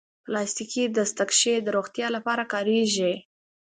پلاستيکي دستکشې د روغتیا لپاره کارېږي.